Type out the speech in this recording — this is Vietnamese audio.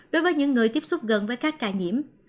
đối với những người tiếp xúc gần với các ca nhiễm